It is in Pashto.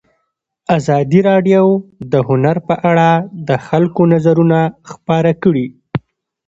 ازادي راډیو د هنر په اړه د خلکو نظرونه خپاره کړي.